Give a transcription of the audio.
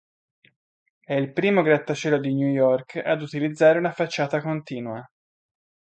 È il primo grattacielo di New York ad utilizzare una facciata continua.